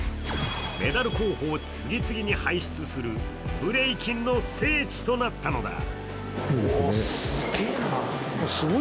メダル候補を次々に輩出するブレイキンの聖地となったのだ。